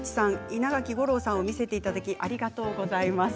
稲垣吾郎さんを見せていただきありがとうございます。